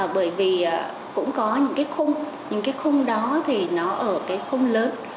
bởi vì cũng có những cái khung những cái khung đó thì nó ở cái khung lớn